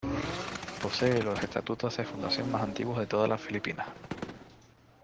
Posee los estatutos de fundación más antiguos de toda las Filipinas.